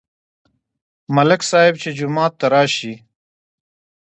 ملک صاحب چې جومات ته راشي.